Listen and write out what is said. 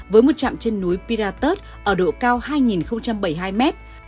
với một chạm trên núi pirates ở độ cao hai bảy mươi hai m